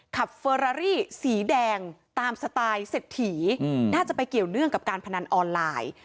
เฟอรารี่สีแดงตามสไตล์เศรษฐีน่าจะไปเกี่ยวเนื่องกับการพนันออนไลน์